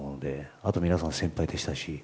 あとは皆さん、先輩でしたし。